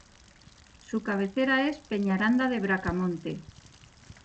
Su cabecera es Peñaranda de Bracamonte.